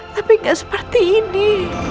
tapi gak seperti ini